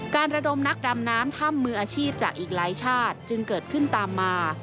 ระดมนักดำน้ำถ้ำมืออาชีพจากอีกหลายชาติจึงเกิดขึ้นตามมา